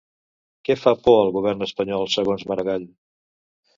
Què fa por al Govern espanyol, segons Maragall?